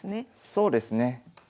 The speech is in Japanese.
そうですね。